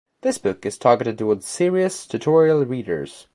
This book is targeted towards serious, tutorial readers.